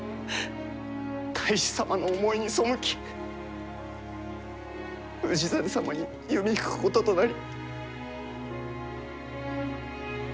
太守様の思いに背き氏真様に弓引くこととなり。